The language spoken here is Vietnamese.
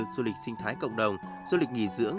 du lịch sinh thái cộng đồng du lịch nghỉ dưỡng